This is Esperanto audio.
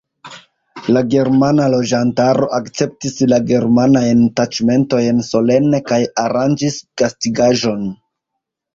La germana loĝantaro akceptis la germanajn taĉmentojn solene kaj aranĝis gastigaĵon.